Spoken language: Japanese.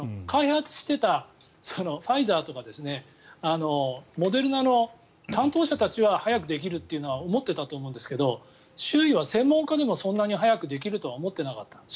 開発していたファイザーとかモデルナの担当者たちは早くできるっていうのは思ってたと思うんですけど周囲は専門家でもそんなに早くできるとは思っていなかった。